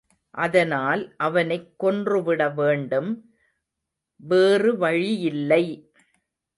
அதனால் அவனைக் கொன்றுவிட வேண்டும் வேறுவழி யில்லை.